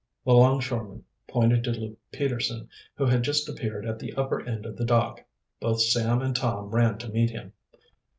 The longshoreman pointed to Luke Peterson, who had just appeared at the upper end of the dock. Both Sam and Tom ran to meet him.